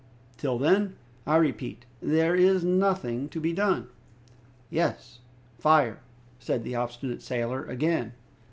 Till then, I repeat, there is nothing to be done." "Yes, fire!" said the obstinate sailor again.